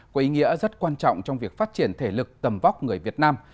có ý nghĩa rất quan trọng trong việc phát triển thể lực tầm vóc người việt nam